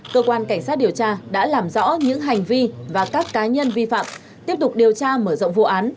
cơ quan cảnh sát điều tra đã làm rõ những hành vi và các cá nhân vi phạm tiếp tục điều tra mở rộng vụ án